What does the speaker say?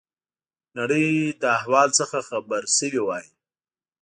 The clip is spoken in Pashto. نړۍ له احوال څخه خبر شوي وای.